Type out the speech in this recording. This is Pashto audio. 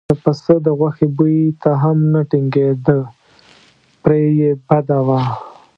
د پسه د غوښې بوی ته هم نه ټینګېده پرې یې بده وه.